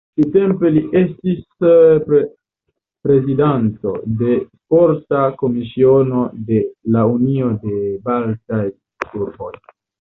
Tiutempe li estis prezidanto de Sporta Komisiono de la Unio de Baltaj Urboj.